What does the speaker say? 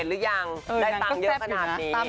หรือยังได้ตังค์เยอะขนาดนี้